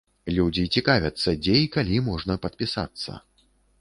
Людзі цікавяцца, дзе і калі можна падпісацца.